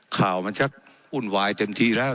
ข่าวมันชักวุ่นวายเต็มทีแล้ว